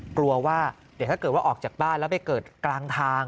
กลัวว่าเดี๋ยวถ้าเกิดว่าออกจากบ้านแล้วไปเกิดกลางทาง